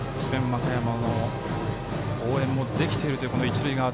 和歌山の応援もできているという一塁側。